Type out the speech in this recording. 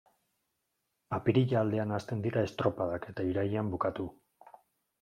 Apirila aldean hasten dira estropadak eta irailean bukatu.